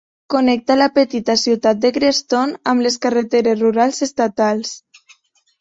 Connecta la petita ciutat de Creston amb les carreteres rurals estatals.